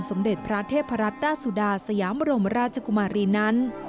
สมเด็จพระเทพรัตนราชสุดาสยามบรมราชกุมารีนั้น